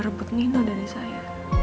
ngerebut nino dari saya